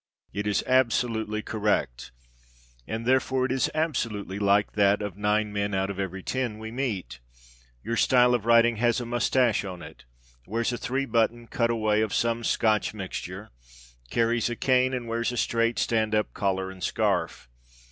It is absolutely correct, and therefore it is absolutely like that of nine men out of every ten we meet. Your style of writing has a mustache on it, wears a three button cutaway of some Scotch mixture, carries a cane, and wears a straight stand up collar and scarf.